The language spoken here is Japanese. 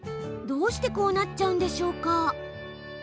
どうしてこうなっちゃうんでしょうか？